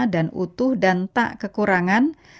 dan utuh dan tak kekurangan